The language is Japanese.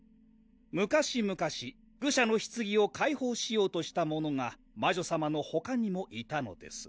昔々愚者の棺を解放しようとした者が魔女さまのほかにもいたのです